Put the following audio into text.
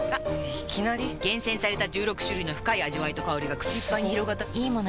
いきなり・・・厳選された十六種類の深い味わいと香りがくち一杯に広がったと思いきや・・・すご！